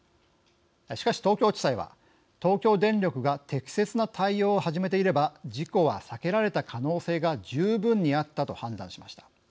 しかし、東京地裁は東京電力が適切な対応を始めていれば事故は避けられた可能性が十分にあったと判断しました。